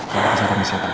saya kasih permisi pak